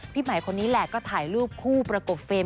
พี่ใหม่คนนี้แหละก็ถ่ายรูปคู่ประกบเฟรม